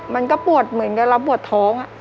มันก็ปวดเหมือนกับเราปวดท้อง